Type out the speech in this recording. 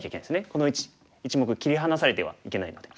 この１目切り離されてはいけないので。